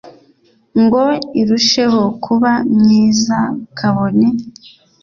ngo irusheho kuba myiza kabone